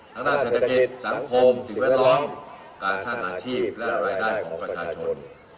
ทั้งสัตว์ศักดิสสังคมศึนิรัยตรองการช่างทางอาชีพและรายได้ของประชาชน